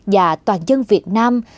và toàn dân việt nam